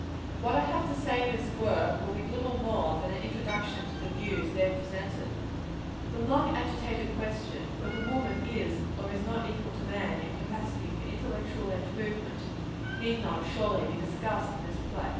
What I have to say in this work, will be little more than an introduction to the views there presented. The long agitated question, whether woman is or is not equal to man in capacity for intellectual improvement, need not, surely, be discussed in this place.